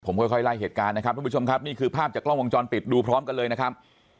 ผมค่อยไล่เหตุการณ์นะครับทุกผู้ชมครับนี่คือภาพจากกล้องวงจรปิดดูพร้อมกันเลยนะครับ